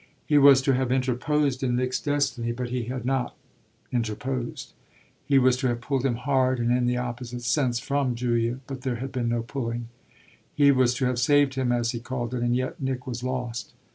He was to have interposed in Nick's destiny, but he had not interposed; he was to have pulled him hard and in the opposite sense from Julia, but there had been no pulling; he was to have saved him, as he called it, and yet Nick was lost.